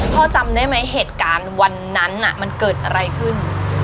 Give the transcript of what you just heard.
จำได้ไหมเหตุการณ์วันนั้นมันเกิดอะไรขึ้น